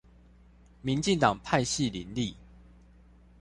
民進黨派系林立